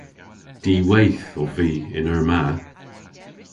Diweyth ov vy yn eur ma.